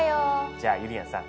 じゃあゆりやんさん